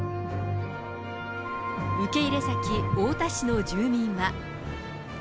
受け入れ先、太田市の住民は。